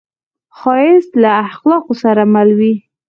ښایست له اخلاقو سره مل وي